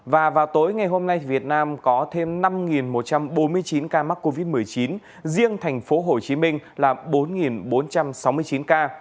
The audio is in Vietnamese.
và vào tối ngày hôm nay việt nam có thêm năm một trăm bốn mươi chín ca mắc covid một mươi chín riêng thành phố hồ chí minh là bốn bốn trăm sáu mươi chín ca